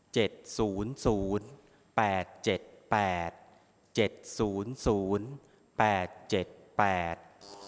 เจ็ดสูนสูนแปดเจ็ดแปดเจ็ดสูนสูนแปดเจ็ดแปด